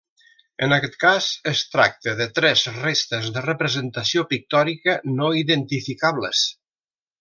En aquest cas es tracta de tres restes de representació pictòrica no identificables.